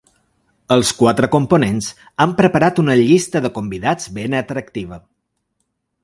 Els quatre components han preparat una llista de convidats ben atractiva.